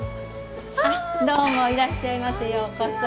あっどうもいらっしゃいませようこそ。